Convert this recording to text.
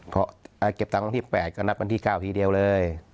เพราะเก็บเงินทั้งทั้งที่๘ก็นัดทั้งที่๙ทีเดียวเลย